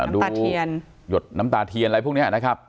ตาเทียนหยดน้ำตาเทียนอะไรพวกนี้นะครับ